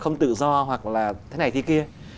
không tự do hoặc là thế này thế kia